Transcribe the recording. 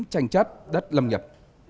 tranh chất đất lâm nhập